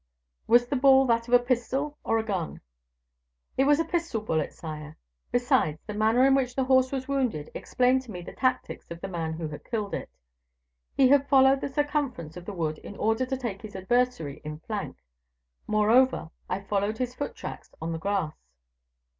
"Was the ball that of a pistol or a gun?" "It was a pistol bullet, sire. Besides, the manner in which the horse was wounded explained to me the tactics of the man who had killed it. He had followed the circumference of the wood in order to take his adversary in flank. Moreover, I followed his foot tracks on the grass."